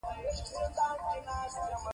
ګورنر جنرال امر ته د جواب ویلو تر څنګ.